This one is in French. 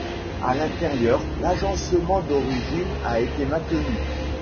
À l'intérieur, l'agencement d'origine a été maintenu.